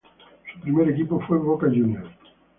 Su primer equipo fue Boca Juniors.